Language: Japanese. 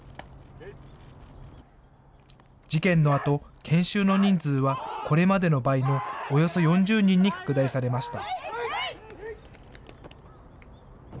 事件のあと、研修の人数はこれまでの倍のおよそ４０人に拡大されました。